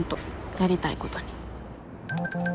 やりたいことに。